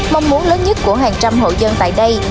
mong muốn lớn nhất của hàng trăm hộ dân tại đây